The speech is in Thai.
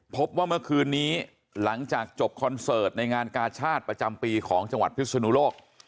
พบว่าเมื่อคืนนี้หลังจากจบคอนเสิร์ตในงานกาชาติประจำปีของจังหวัดพิศนุโลก